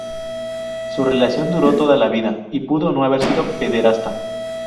Su relación duró toda la vida y pudo no haber sido pederasta.